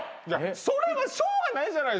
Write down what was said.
それはしょうがないじゃないですか。